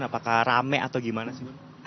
apakah rame atau gimana sih